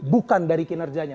bukan dari kinerjanya